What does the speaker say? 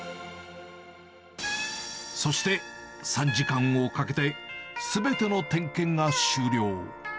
そして、３時間をかけて、すべての点検が終了。